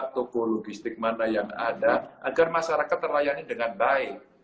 toko logistik mana yang ada agar masyarakat terlayani dengan baik